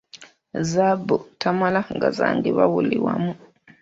Zzaabu tamala gasangibwa buli wamu.